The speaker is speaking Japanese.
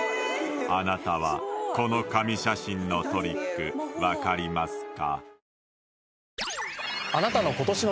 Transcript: あなたはこの神写真のトリック分かりますか？